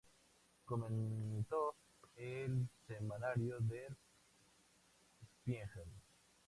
Comentó el semanario Der Spiegel.